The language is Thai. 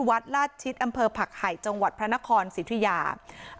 วัดลาชิตอำเภอผักไห่จังหวัดพระนครศิริยาศิริยาศิริยา